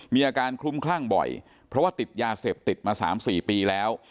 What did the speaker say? มีอาการคลุมคลั่งบ่อยเพราะว่าติดยาเสพติดมา๓๔ปีแล้ว